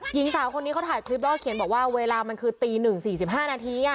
หญิงสาวคนนี้เขาถ่ายคลิปแล้วก็เขียนบอกว่าเวลามันคือตี๑๔๕นาที